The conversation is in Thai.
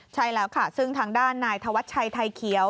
ใช่แล้วค่ะซึ่งทางด้านนายธวัชชัยไทยเขียว